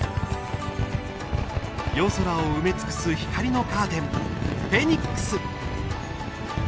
夜空を埋め尽くす光のカーテンフェニックス。